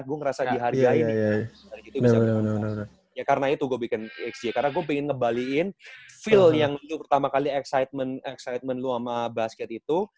gue ngerasa dihargai nih karena itu gue bikin xj karena gue pengen ngebaliin feel yang pertama kali excitement lu sama basket itu